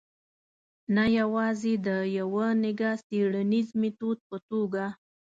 نه یوازې د یوه نګه څېړنیز میتود په توګه.